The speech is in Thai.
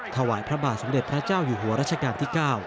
ถวายพระบาทสมเด็จพระเจ้าอยู่หัวรัชกาลที่๙